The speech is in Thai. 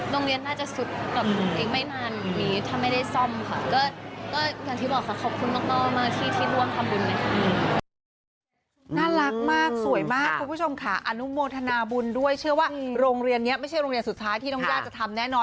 โรงเรียนน่าจะสุดแบบอีกไม่นานอย่างนี้ถ้าไม่ได้ซ่อมค่ะ